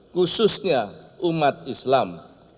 khususnya umat islam